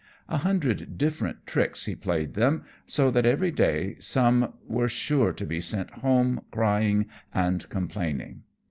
A hundred different tricks he played them, so that every day some were sure to be sent home crying and complaining.